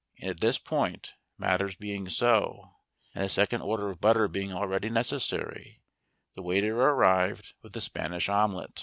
And at this point, matters being so, and a second order of butter being already necessary, the waiter arrived with the Spanish omelet.